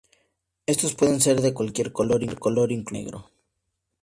Estos pueden ser de cualquier color, incluyendo negro.